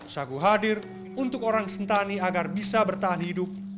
sagu hadir untuk orang sentani agar bisa bertahan hidup